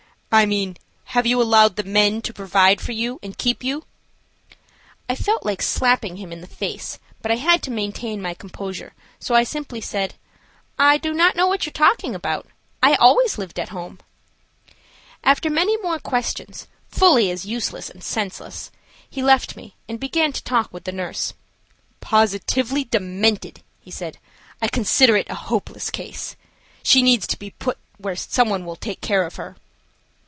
"I mean have you allowed the men to provide for you and keep you?" I felt like slapping him in the face, but I had to maintain my composure, so I simply said: "I do not know what you are talking about. I always lived at home." After many more questions, fully as useless and senseless, he left me and began to talk with the nurse. "Positively demented," he said. "I consider it a hopeless case. She needs to be put where some one will take care of her."